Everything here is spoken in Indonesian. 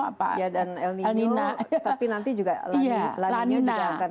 tapi nanti juga laninya juga akan datang